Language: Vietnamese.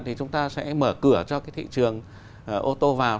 thì chúng ta sẽ mở cửa cho cái thị trường ô tô vào